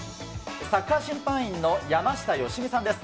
サッカー審判員の山下良美さんです。